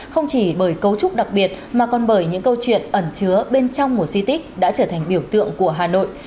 không chỉ bởi cấu trúc đặc biệt mà còn bởi những câu chuyện ẩn chứa bên trong một di tích đã trở thành biểu tượng của hà nội